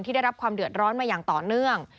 ได้รับความเดือดร้อนมาอย่างต่อเนื่อง